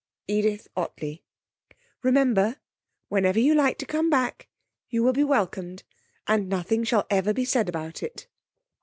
'EDITH OTTLEY.' 'Remember, whenever you like to come back, you will be welcomed, and nothing shall ever be said about it.'